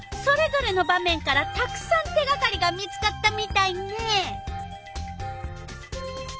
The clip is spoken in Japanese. それぞれの場面からたくさん手がかりが見つかったみたいねえ！